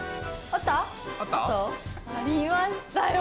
ありましたよ